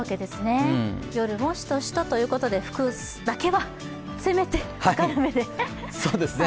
夜もしとしとということで、服だけはせめて明るめで。